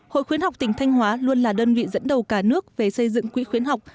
hội khuyến học tỉnh thanh hóa luôn là đơn vị dẫn đầu cả nước về xây dựng quỹ khuyến học